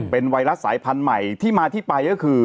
เป็นไวรัสสายพันธุ์ใหม่ที่มาที่ไปก็คือ